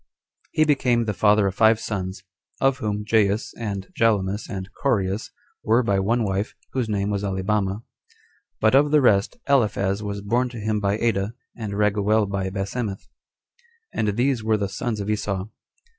2. He became the father of five sons; of whom Jaus, and Jalomus, and Coreus, were by one wife, whose name was Alibama; but of the rest, Aliphaz was born to him by Ada, and Raguel by Basemmath: and these were the sons of Esau.